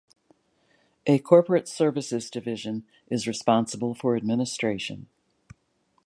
A corporate services division is responsible for administration.